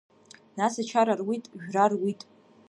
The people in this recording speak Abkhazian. Нас ачара руит, жәра руит.